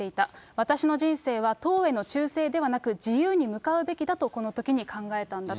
私の人生は党への忠誠ではなく、自由に向かうべきだと、このときに考えたんだと。